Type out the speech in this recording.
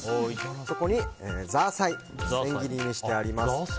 そこにザーサイ千切りにしてあります。